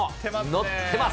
のってます。